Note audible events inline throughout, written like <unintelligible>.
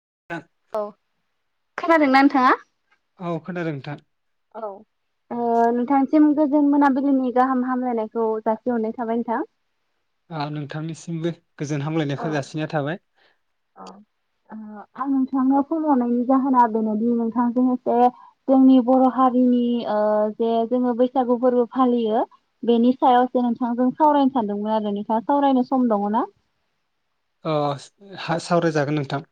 <inaudible> औ खोनादोंना नोंथाङा औ खोनादों नोंथां औ ओ नोंथां सिम गोजोन मोनाबिलिनि गाहाम हामलायनायखौ जासिहरनाय थाबाय नोंथां आ नोंथांनिसिमबो गोजोन हामलायनायखौ जासिनाय थाबाय अ ओ आं नोंथांनो फन हरनायनि जाहोना बेनोदि नोंथांजों एसे जोंनि बर' हारिनि ओ जे जोङो बैसागु फोरबो फालियो बेनि सायावसो नोंथांजों सावरायनो सानदोंमोन आरो नोंथाङा सावरायनो सम दङ ना? अस हा सावरायजागोन नोंथां।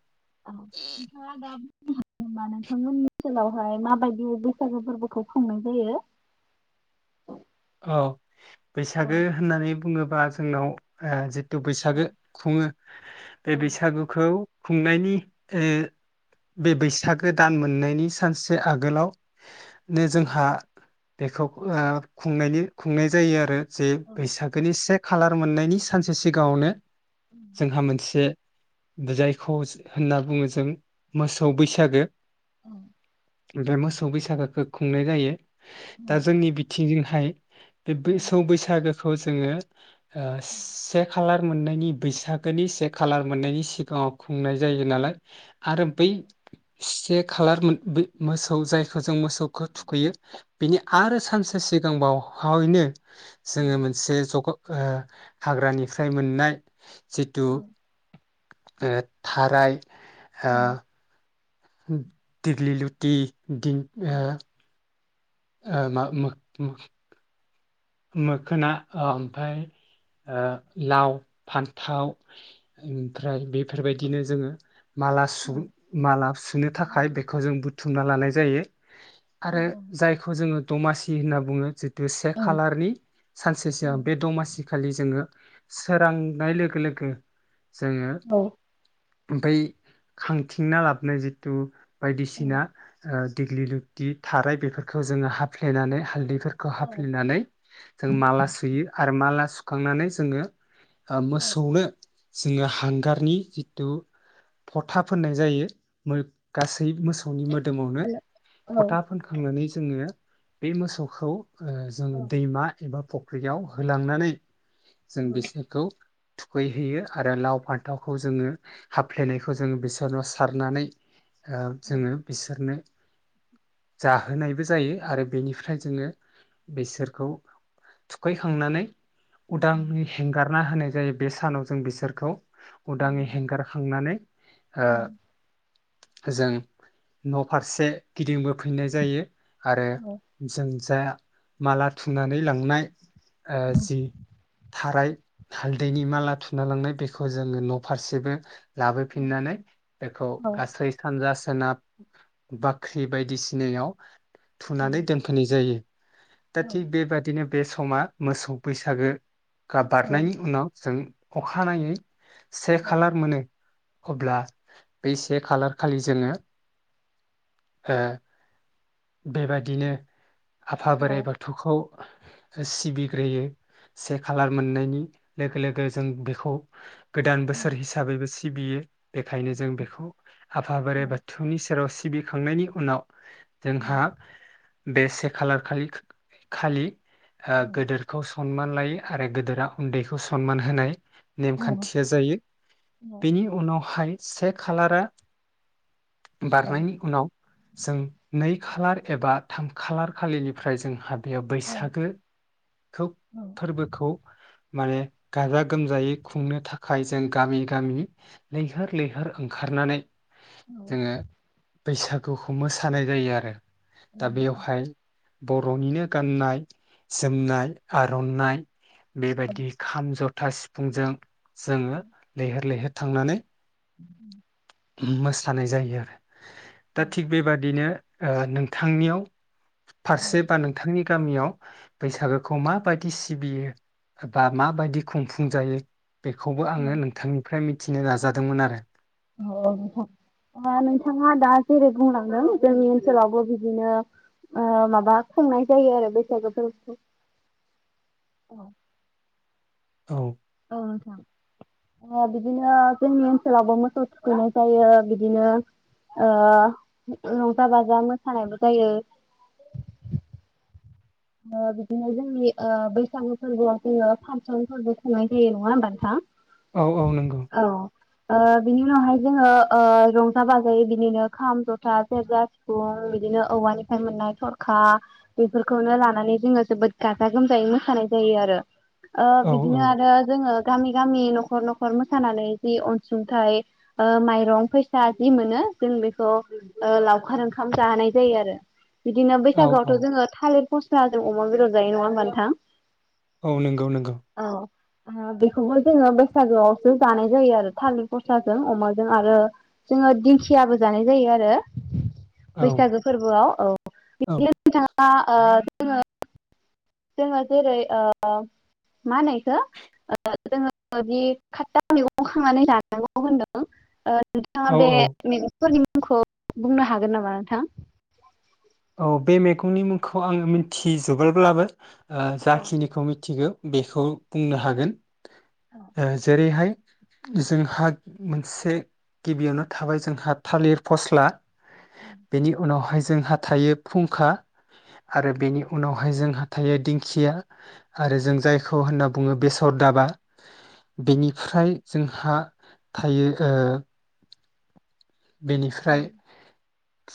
औ नोंथांङा दा‌ बुंनो हागोन‌ नामा नोंथांमोननि ओनसोलावहाय माबायदि उ बैसागु फोरबोखौ खुंनाय जायो? औ औ बैसागो होननानै बुङोब बा जोंनाव ओ जि तु औ बैसागो खुङो बे औ बैसागुखौ खुंनायनि ओ बे बैसागो दान मोननायनि सानसे आगोलाव नो औ जोंहा बेखौ ओ खुंनायनि खुंनाय जायो आरो जे बैसागोनि से खालार मोननायनि सानसे सिगाङावनो जोंहा मोनसे जायखौस होनना बुङो जों मोसौ बैसागो बे मोसौ बैसागोखौ खुंनाय जायो दा औ जोंनि बि <unintelligible> बे बैसौ बैसागो खौ जोङो ओ से खालार मोननायनि बैसागोनि से खाालार मोननायनि सिगाङाव खुंनाय जायो नालाय आरो बै सेक खालार मोन बै मोसौ जायखौ जों मोसौखो थुखैयो बिनि आरो सानसे सिगांबावहावैनो जोङो मोनसे जग हाग्रानिफ्राय मोननाय जितु ओ थाराय ओ औ दिगलि लुति दिं औ ओ ओ मा मा म मोखोना ओमफ्राय ओ लाव फान्थाव ओमफ्राय बेफोरबायदिनो जोङो माला औ माला सु-सुनो औ थाखाय बेखौ जों बुथुमना लानाय जायो। औ आरो जायखौ जोङो दमासि होनना बुङो जेथु औ खालारनि सानसे सिगां बे दमासि खालि जोङो सोरांनाय लोगो लोगो जोङो औ बै खांथिंना लाबोननाय जिथु औ बायदिसिना ओ दिग्लि लिथि थाराय बेफोरखौ जोङो हाफ्लेनानै हाल्दै फोरखौ औ हाफ लेनानै जों माला सुयो आरो माला सु खांनानै जोङो ओ मोसौनो जोङो हांगारनि जिथु फथा फोननाय जायो गासै मोसौनि मोदो दोमावनो औ फथा फोनखांनानै जोङो बे मोसौखौ जों दैमा एबा फख्रियाव सोलांनानै जों बिसोरखौ थुखैहैयो आरो लाव फान्थावखौ जोङो हाफ्लेनायखौ जोङो बिसोरनाव सारनानै ओ औ जोङो बिसोरनो जाहोनायबो जायो आरो बेनिफ्राय जोङो बिसोरखौ थुखैखांनानै औ उदांङै हेंगार ना होनाय जायो बे सानाव जों बिसोरखौ। उदाङै हेंगारखांनानै ओ जों न' फारसे गिदिंबोफिननाय जायो। आरो जों जायया माला थुना नानै लांनाय ओ जि थाराय हालदैनि माला थुना लांनाय बेखौ जोङो न फारसेबो लाबोफिननानै बेखौ गासै <unintelligible> <unintelligible> बाख्रि बायदिसिनायाव थुनानै दोनफैनाय जायो दा थि बेबादिनो बे समा मोसौ बैसागो <unintelligible> बारनायनि उनाव जों अखानायै से खालार मोनो अब्ला बै से खालार खालि जोङो ओ बेबादिनो आफा बोराइ बाथौखौ सिबिग्रोयो से खालार मोननायनि लोगो लोगो जों बेखौ गोदान बोसोर हिसाबैबो सि <unintelligible> बियो बेखायनो जों बेखौ आफा बोराइ बाथौनि सेराव सि सिबिखांनायनि उनाव जोंहा बेसे खालार खालि खालि ओ गोदोरखौ स खनमान लायो आरो गोदोरा उन्दैखौ सनमान होनाय नेमखान्थिया जायो बेनि उनावहाय से खालारा बारनायनि उनाव जों नै खालार एबा थाम खालार खालिनिफ्राय जों हाब बेयाव बैसागो खौ फोरबोखौ माने गाजा गोमजायै खुंनो थाखाय जों गामि गामि लैहोर लैहोर ओंखारनानै जोङो <inaudible> बैसागुखौ मोसानाय जायो आरो दा बेवहाय बरनिनो गाननाय जोमनाय आरननाय बेबायदि खाम ज था सिफुंजों जोङो लैहोर लैहोर थांनानै उ <inaudible> मोसानाय जायो आरो दा थिग बेबादिनो ओ नोंथांनियाव फारसे बा नोंथांनि गामियाव बैसागोखौ माबायदि सिबियो बा माबायदि खुंफुं जायो बेखौबो आङो नोंथांनिफ्राय मिथि मिथिनो नाजादोंमोन आरो अ नोंथाङा दा जेरै बुंलांदों जोंनि ओनसोलावबो बिदिनो माबा खुंनाय जायो आरो बैसागु फोरबोखौ औ। ओ बिदिनो जोंनि ओनसोलावबो मोसौ थुखैनाय जायो बिदिनो रंजा बाजा मोसानायबो जायो बिदिनो जोंनि बैसागु फोरबोआव जोङो फांसन फोरबो खुंनाय जायो नङा होमबा नोंथां? औ औ नंगौ। औ ओ बिनि उनावहाय जोङो ओ रंजा बाजायै बिदिनो खाम जथा सेरजा सिफुं बिदिनो औवानिफ्राय मोननाय थरखा बेफोरखौनो लानानै नानै जोङो जोबोद गाजा गोमजायै मोसानाय जायो आरो ओ औ बिदिनो औ आरो जोङो गामि गामि न'खर न'खर मोसानानै जि अनसुंथाइ माइरं फैसा जि मोनो जों बेखौ लावखार ओंखाम जाहोनाय जायो आरो बिदिनो औ औ बैसागोआवथ' जोङो थालिर जोंहा अमा बेदर जायो नङा होनबा नोंथा? औ नंगौ नंगौ। ओ बेखौबो जोङो बैसागोआवसो जानाय जायो आरो थालिर फसाजों अमाजों आरो जोङो दिंखियाबो जानाय जायो आरो औ बैसागो फोरबोआव औ औ बिदिनो नोंथाङा ओ जोङो जोङो जेरै ओ मा होनो इखो जोङो जि खातथा मेगं खांनानै जानांगौ होनदों औ नोंथाङा बे औ फोरनि मुंखौ बुंनो हागोन नामा नोंथां? औ बे मैगंनि मुंखौ आङो मिथिजोबबोब्लाबो औ जाखिनिखौ मिथिगौ बेखौ बुंनो हागोन ओ जेरैहाय जोंहा मोनसे गिबियावनो थाबाय जोंहा थालिर फस्ला बेनि उनावहाय जोंहा थायो फुंखा आरो बेनि उनावहाय जोंहा थायो दिंखिया आरो जों जायखौ होनना बुङो बेसर दाबा बेनिफ्राय जोंहा थायो ओ बेनिफ्राय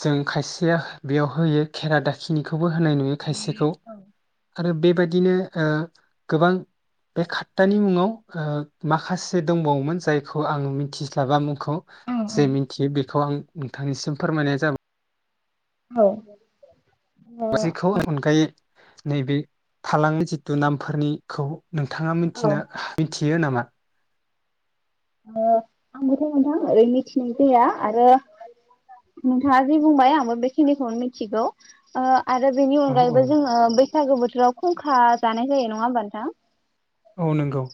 जों खायसेया बेयाव होयो खेरा दाखिनिखौ खौबो होनाय नुयो खायसेखौ आरो बे बेबायदिनो गोबां बे खातथानि मुङाव माखासे दंबावोमोन जायखौ आं मिथिस्लाबा थि बेखौ आं नोंथांनिसिम फोरमायनाय जाबाय औ औ बसिखौ <unintelligible> नैबे थालांङि जिथु नामफोरनिखौ नोंथाङा मिथिनो थियो नामा? ओ आंबोथ' नोंथां ओरै मिथिनाय जाया आरो नोंथांङा जि बुंबाय आंबो बेखिनिखौनो मिथिगौ ओ आरो बेनि औ औ अनगायैबो जोंङो बै बैसागु बोथोराव खुंखा जानाय जायो नङा होमबा नोंथां औ नंगौ।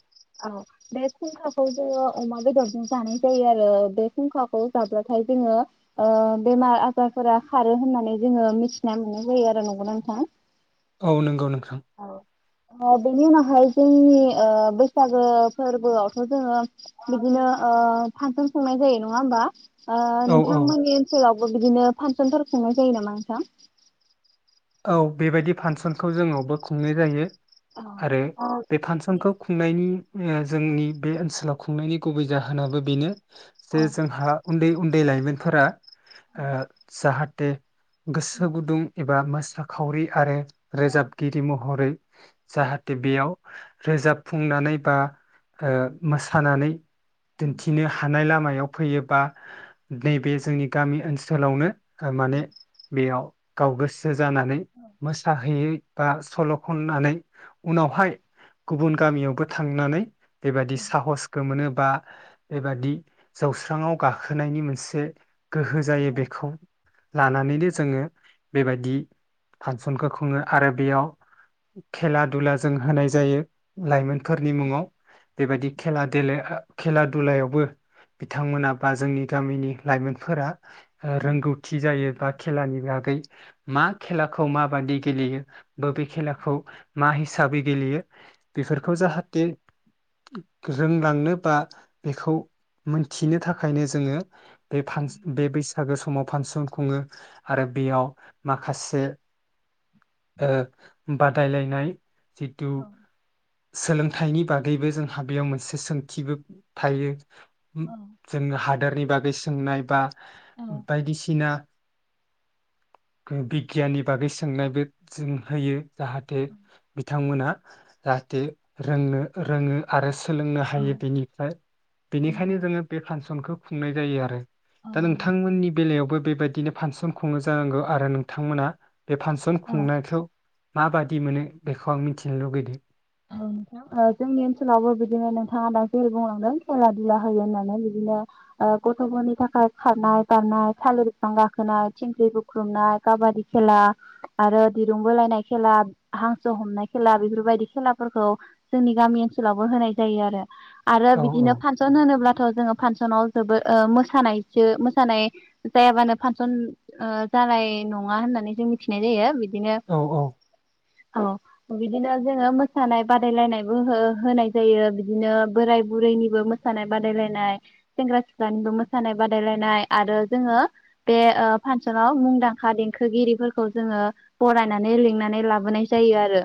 औ बे खूंखाखौ जोंङो अमा बेदरजों जानाय जायो आरो बे फुंखाखौ जाब्लाथाय जोङो ओ बेमार आजारफोरा खारो होननानै जोङो मिथिना मोननाय जायो आरो नंगौना नोंथां? औ नंगौ नोंथां। ओ बेनि उनावहाय जोंनि बैसागो फोरबोआवथ' जोङो बिदिनो ओ फांसन खुंनाय जायो नङा होमबा? ओ औ औ नोंथांमोननि ओनसोलाव बो बिदिनो फांसनफोर खुंनाय जायो नामा नोंथां? औ बेबायदि फांसनखौ जोंनावबो खुंनाय जायो। औ आरो ओ बे फांसनखौ खुंनायनि जोंनि बे ओनसोलाव खुंनायनि गुबै जाहोनाबो बेनो ओ जे जोंहा उन्दै उन्दै लाइमोनफोरा ओ साहात दे गोसो गुदुं एबा मो साखावरि आरो रोजाबगिरि महरै जाहाथे बेयाव रोजाबफुंनानै बा ओ मोसानानै दिन्थिनो हानाय लामा याव फैयोबा बै बे जोंनि गामि ओनसोलावनो थारमाने बेयाव गाव गोसो जानानै मोसाहैयै बा सल' खननानै उनावहाय गुबुन गामियावबो थांनानै बे बायदि साहसखो मोनो। बा बेबादि जौस्राङाव गाखोनायनि मोनसे गोहो जायो बेखौ लानानैनो जोङो बे बायदि फांसनखौ खुङो आरो बेयाव खेला दुला जों होनाय जायो लाइमोनफोरनि मुङाव। बे बायदि खेला देला खेला दुलायावबो बिथांमोना बा जोंनि गामिनि लाइमोनफोरा रोंगौथि जायो बा खेलानि बागै मा? खेलाखौ माबादि गेलेयो बो बेे खेलाखौ मा हिसाबै गेलेयो? बेफोरखौ जाहाथे रोंलांनो बा बेखौ मोनथिनो थाखायनो जोङो बे फांस बे बैसागो समाव फांसन खुङो आरो बेयाव माखास से ओ बादायलायनाय जितु सोलोंथाइनि बागैबो जोंहा बेयाव मोनसे सोंथिबो थायो। उम जों हादोरनि बागै सोंनाय बा बायदिसिना <unintelligible> गियाननि बागै सोंनायबो जों होयो। जाहाथे बिथांमोना जाहाथे रोंनो रोङो आरो सोलोंनो हायो बेनिफ्राय बेनिखायनो जोङो बे फांसनखौ खुंनाय जायो आरो दा नोंथांमोननि बेलायावबो बे बायदिनो फांसन खुङो जानांगौ आरो नों थां मोना बे फांसन खुंनायखौ माबादि मोनो बेखौ आं मिथिनो लुगैदो। औ नोंथां जोंनि ओनसोलावबो बिदिनो नोंथाङा दा जेरै बुंलांदों खेला दुला होयो होननानै बिदिनो ओ गथ'फोरनि थाखाय खारनाय बारनाय थालिर बिफां गाखोनाय थिंख्रि बुख्रुबनाय काबादि खेला आरो दिरुं बोलायनाय खेला हांसो हमनाय खेला बेफोरबायदि खेला फोरखौ जोंनि गामि ओनसोलावबो होनाय जायो आरो आरो औ बिदिनो फांसन होनोब्लाथ' जोङो फांसनाव जोबोद ओ मोसानायजो मोसानाय जायाबानो फांसन ओ जानाय नङा होननानै जों मिथिनाय जायो बि दिनो औ औ औ बिदिनो जोङो मो मोसानाय बादायलायनायबो हो- होनाय जायो बिदिनो बोराय बुरैनिबो मोसानाय बादायलायनाय सेंग्रा सिख्लानिबो मोसानाय बादायलायनाय आरो जोङो बे ओ फांसनाव मुंदांखा देंखोगिरिफोरखौ जोङो बरायनानै लिंनानै लाबोनाय जायो आरो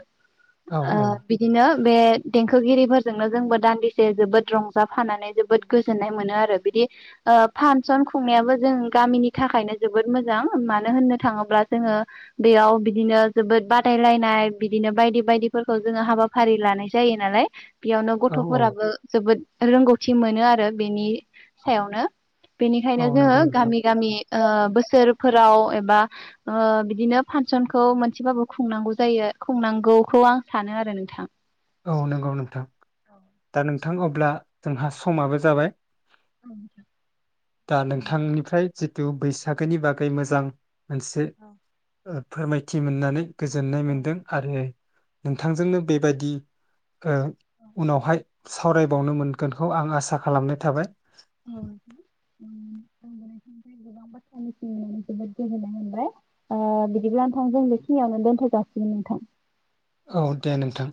औ औ नो बे देंखोगिरिफोरजोंनो जोंबो दान्दिसे जोबोद रंजाफानानै जोबोद गोजोननाय मोनो आरो बिदि ओ फानसन खुंनायाबो जों गामिनि थाखायनो जोबोद मोजां मानो होननो थाङोब्ला जोङो बेयाव बिदिनो जोबोद बादायलायनाय बिदिनो बायदि बायदिफोरखौ जोङो हाबाफारि लानाय जायो नालाय बेयावनो औ औ गथ'फोराबो जोबोद रोंगौथि <unintelligible> मोनो आरो बेनि सायावनो औ बेनिखायनो जोङो नंगौ नोंथां गामि गामि ओ बोसोरफोर राव एबा ओ बिदिनो फांसनखौ मोनसेबाबो खुंनांगौ जायो खुंनांगौखौ आं सानो आरो नोंथां औ नंगौ नोंथां दा नों थां अब्ला जोंहा समाबो जाबाय दा नोंथांनिफ्राय जिथु बैसागोनि बागै मोजां मोनसे ओ फोरमायथि मोननानै गोजोननाय मोनदों आरो नोंथांजोंनो बेबायदि ओ उनावहाय सावरायबावनो मोनगोनखौ आं आसा खालामनाय थाबाय औ गोबां बाथ्रा <unintelligible> मोनबाय जोबोद गोजोननाय मोनबाय बिदिब्ला नोंथां जों बेखिनियावनो दोनथ' जाासिगोन नोंथां औ दे नोंथां